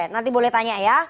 nanti boleh tanya ya